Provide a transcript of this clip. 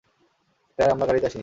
Sir, আমরা গাড়িতে আসিনি।